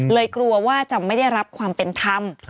กลัวว่าจะไม่ได้รับความเป็นธรรม